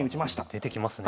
出てきますね。